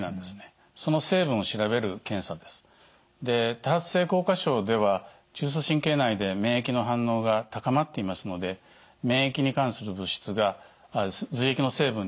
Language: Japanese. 多発性硬化症では中枢神経内で免疫の反応が高まっていますので免疫に関する物質が髄液の成分に出てきています。